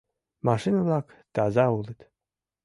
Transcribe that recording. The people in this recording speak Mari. Машина-влак таза улыт!